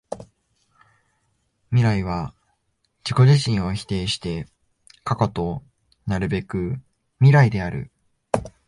未来は自己自身を否定して過去となるべく未来である。